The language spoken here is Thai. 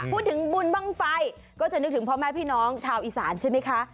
พูดถึงบุญบ้างไฟก็จะนึกถึงพ่อแม่พี่น้องชาวอีสานใช่ไหมคะ